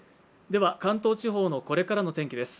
では関東地方のこれからの天気です。